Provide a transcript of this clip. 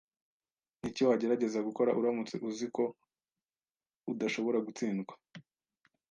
Niki wagerageza gukora uramutse uzi ko udashobora gutsindwa?